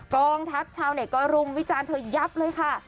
กองทัพชาวเน็ตก็รุมวิจารณ์เธอยับเลยค่ะ